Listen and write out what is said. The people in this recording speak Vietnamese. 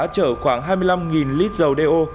trở khoảng hai mươi năm lít dầu đeo